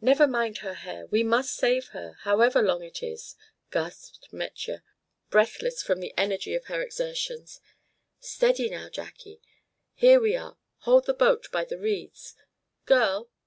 "Never mind her hair. We must save her, however long it is," gasped Metje, breathless from the energy of her exertions. "Steady, now, Jacque, here we are; hold the boat by the reeds. Girl!